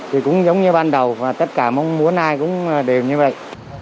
thì cũng giống như ban đầu và tất cả mong muốn ai cũng đều như vậy